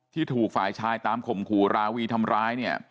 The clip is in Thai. ที่ถูกฝ่ายชายตามข่มขู่ราวีทำร้ายเนี่ย